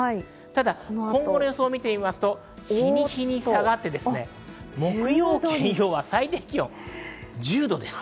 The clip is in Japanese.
ただ今後の予想を見ていきますと日に日に下がって木曜・金曜は最低１０度です。